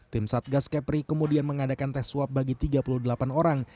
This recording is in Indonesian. tim satgas kepri kemudian mengadakan tes swab bagi tiga puluh delapan orang